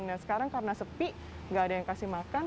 nah sekarang karena sepi gak ada yang kasih makan